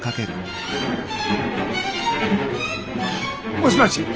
もしもし！